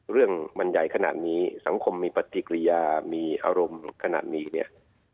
เรื่องมันใหญ่ขนาดนี้สังคมมีปฏิกิริยามีอารมณ์ขนาดนี้เนี่ย